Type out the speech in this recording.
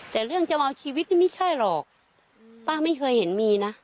แต่เรื่องจะเอาชีวิตนี่ไม่ใช่หรอกป้าไม่เคยเห็นมีนะ